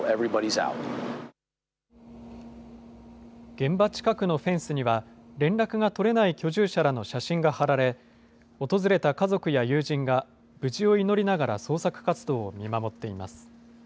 現場近くのフェンスには、連絡が取れない居住者らの写真が張られ、訪れた家族や友人が無事を祈りながら捜索活動を見守っています。